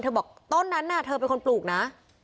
บอกต้นนั้นเธอเป็นคนปลูกนะ